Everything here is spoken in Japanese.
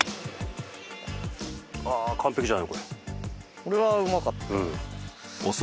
これはうまかったですね。